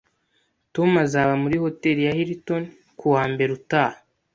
Tom azaba muri Hotel ya Hilton kuwa mbere utaha